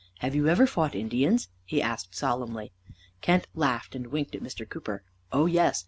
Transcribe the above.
"Have you ever fought Indians?" he asked solemnly. Kent laughed and winked at Mr. Cooper. "Oh, yes.